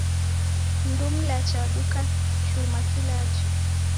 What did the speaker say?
Mundu mlacha waduka chuma kilacha